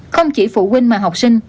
không chỉ phụ huynh mà học sinh